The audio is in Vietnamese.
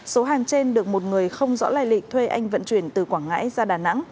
số hàng trên được một người không rõ lai lịch thuê anh vận chuyển từ quảng ngãi ra đà nẵng